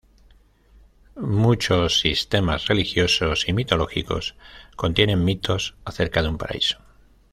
Muchos sistemas religiosos y mitológicos contienen mitos acerca de un paraíso.